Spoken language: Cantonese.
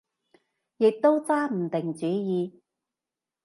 亦都揸唔定主意